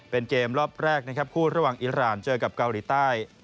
เป็นเกมรอบแรกนะครับคู่ระหว่างอิราณเจอกับเกาหลีใต้